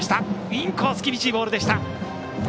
インコース、厳しいボールでした。